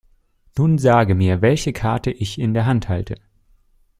Nun sage mir, welche Karte ich in der Hand halte.